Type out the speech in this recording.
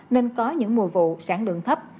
nên có những mùa vụ sản lượng thấp